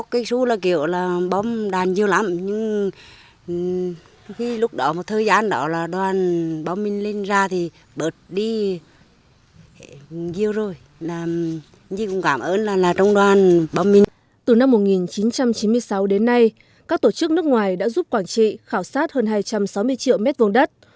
từ năm một nghìn chín trăm chín mươi sáu đến nay các tổ chức nước ngoài đã giúp quảng trị khảo sát hơn hai trăm sáu mươi triệu mét vùng đất